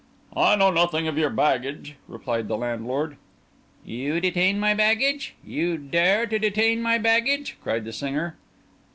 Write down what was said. "I know nothing of your baggage," replied the landlord. "You detain my baggage? You dare to detain my baggage?" cried the singer.